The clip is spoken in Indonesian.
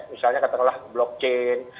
misalnya katakanlah blockchain